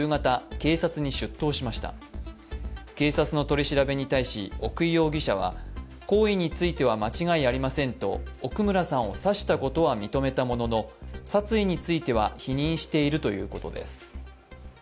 警察の取り調べに対し奥井容疑者は、行為については間違いありませんと奥村さんを刺したことは認めたものの、殺意については否認しているということです。